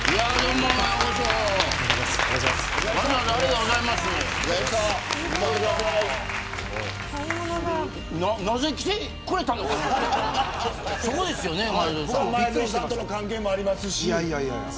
前園さんとの関係もありますし。